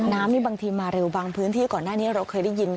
น้ำนี่บางทีมาเร็วบางพื้นที่ก่อนหน้านี้เราเคยได้ยิน